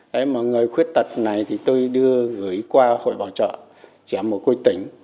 đấy mà người khuyết tật này thì tôi đưa gửi qua hội bảo trợ chém mối côi tỉnh